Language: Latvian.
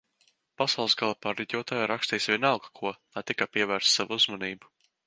Pasaules gala pareģotāji rakstīs vienalga ko, lai tikai pievērstu sev uzmanību